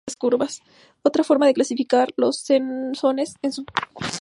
Otra forma de clasificar los sones es por su patrón rítmico.